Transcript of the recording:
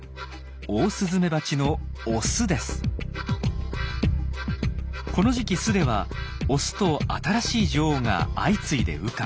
オオスズメバチのこの時期巣ではオスと新しい女王が相次いで羽化。